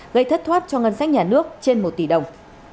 gây thất thoát cho ngân sách nhà nước trên một tỷ đồng